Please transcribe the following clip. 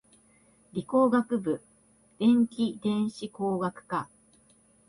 理工学部電気電子工学科